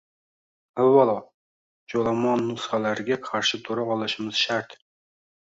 Avvalo, joʻlomonnusxalarga qarshi tura olishimiz shart